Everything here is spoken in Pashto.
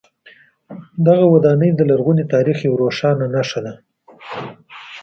دغه ودانۍ د لرغوني تاریخ یوه روښانه نښه ده.